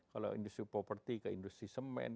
kalau industri properti ke industri semen